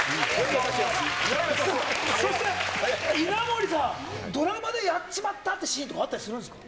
そして稲森さん、ドラマでやっちまったっていうシーンとかあったりするんですか？